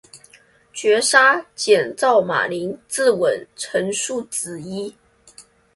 绝杀，减灶马陵自刎，成竖子矣